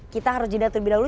kita harus jeda terlebih dahulu